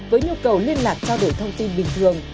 với nhu cầu liên lạc trao đổi thông tin bình thường